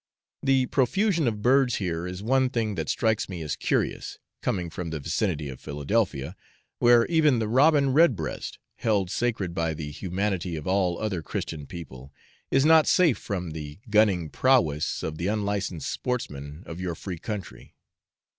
The profusion of birds here is one thing that strikes me as curious, coming from the vicinity of Philadelphia, where even the robin redbreast, held sacred by the humanity of all other Christian people, is not safe from the gunning prowess of the unlicensed sportsmen of your free country.